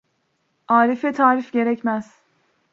Arife tarif gerekmez.